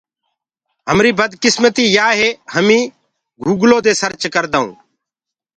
همريٚ بدڪسمتيٚ يآ هي هميٚنٚ گُوگلو مي بيٚ سرچ ڪردآئوٚنٚ۔